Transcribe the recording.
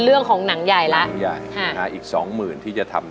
เอกฮาร์ยกษฏุเลยนะครับ